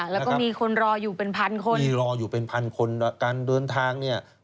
แล้วก็มีคนรออยู่เป็นพันคนมีรออยู่เป็นพันคนการเดินทางเนี่ย